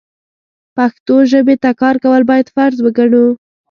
پښتو ژبې ته کار کول بايد فرض وګڼو.